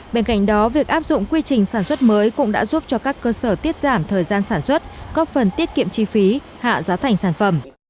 bên cạnh đó việc áp dụng quy trình sản xuất mới cũng đã giúp cho các cơ sở tiết giảm thời gian sản xuất góp phần tiết kiệm chi phí hạ giá thành sản phẩm